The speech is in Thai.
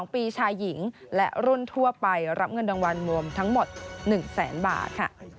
๒ปีชายหญิงและรุ่นทั่วไปรับเงินรางวัลรวมทั้งหมด๑แสนบาทค่ะ